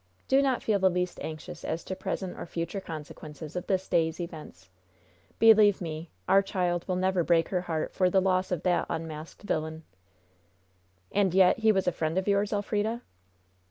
Do not feel the least anxious as to present or future consequences of this day's events. Believe me, our child will never break her heart for the loss of that unmasked villain." "And yet he was a friend of yours, Elfrida?"